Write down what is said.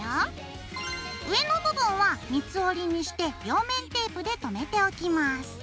上の部分は三つ折にして両面テープで留めておきます。